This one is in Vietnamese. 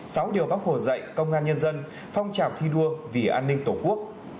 sáu điều bác hồ dạy công an nhân dân phong trào thi đua vì an ninh tổ quốc